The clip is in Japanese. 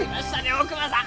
大窪さん！